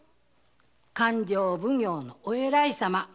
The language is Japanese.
勘定奉行のお偉い様